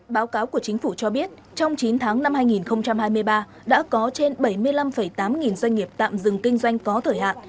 báo cáo của chính phủ cho biết trong chín tháng năm hai nghìn hai mươi ba đã có trên bảy mươi năm tám nghìn doanh nghiệp tạm dừng kinh doanh có thời hạn